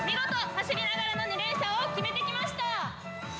走りながらの２連射を決めてきました！